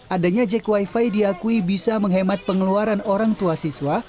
adanya jack wifi diakui bisa menghemat pengeluaran orang tua siswa